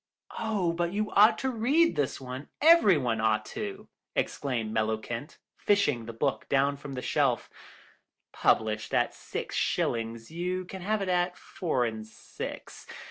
"Oh, but you ought to read this one, every one ought to," exclaimed Mellowkent, fishing the book down from a shelf; "published at six shillings, you can have it at four and six.